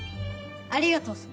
ありがとうぞ。